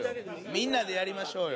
みんなでやりましょうよ。